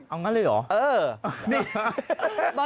อ๋ออังงั้นเลยหรอเอ่อนี่ฮะ